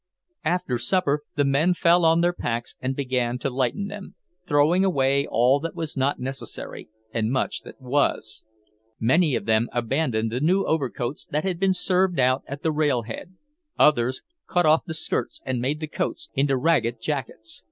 After supper the men fell on their packs and began to lighten them, throwing away all that was not necessary, and much that was. Many of them abandoned the new overcoats that had been served out at the railhead; others cut off the skirts and made the coats into ragged jackets.